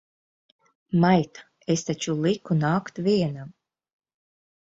Maita! Es taču liku nākt vienam!